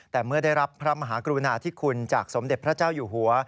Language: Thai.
แต่เมื่อได้รับพระมหากรุณาธิคุณจากสมเด็จพระเจ้าอยู่หัว